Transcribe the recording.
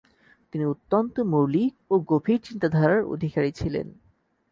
তিনি অত্যন্ত মৌলিক ও গভীর চিন্তধারার অধিকারী ছিলেন।